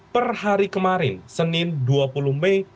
per hari kemarin senin dua puluh mei